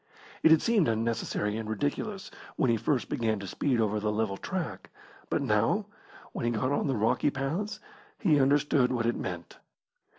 It had seemed unnecessary and ridiculous when he first began to speed over the level track, but now, when he got on the rocky paths, he understood what it meant.